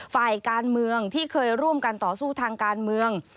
ฝ่ายการเมืองที่เคยร่วมกันต่อสู้ทางการเมือง